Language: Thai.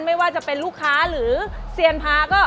ไม่ว่าจะเป็นลูกค้าหรือเซียนพาก็